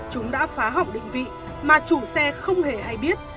chúng đã phá hỏng định vị mà chủ xe không hề hay biết